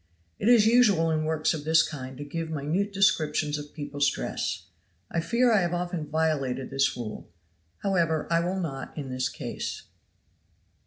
It is usual in works of this kind to give minute descriptions of people's dress. I fear I have often violated this rule. However I will not in this case.